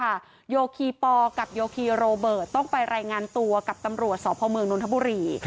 เรื่องนี้ค่ะโยคีปอร์กับโยคีโรเบิร์ตต้องไปรายงานตัวกับตำรวจสพมนทบุรี